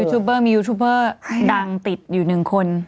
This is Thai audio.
ยูทูปเปอร์มียูทูปเปอร์ดังติดอยู่หนึ่งคน